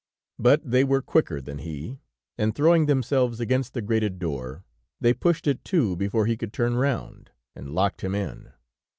But they were quicker than he, and throwing themselves against the grated door, they pushed it to before he could turn round, and locked him in.